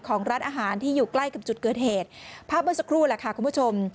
ของร้านอาหารที่อยู่ใกล้กับจุดเกิดเหตุภาพเมื่อสักครู่แหละค่ะคุณผู้ชม